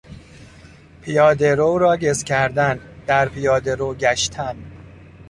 پیاده رو را گز کردن، در پیاده رو گشتن